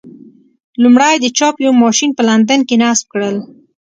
لومړی د چاپ یو ماشین په لندن کې نصب کړل.